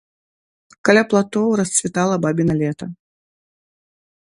Каля платоў расцвітала бабіна лета.